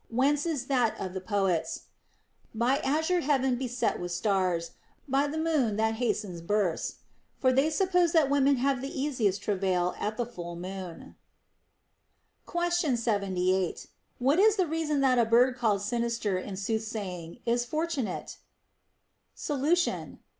Whence is that of the poets : By azure heaven beset with stars, By til' moon that hastens births ; for they suppose that women have the easiest travail at the full of the moon. Question 78. What is the reason that a bird called sin ister in soothsaying is fortunate l Solution.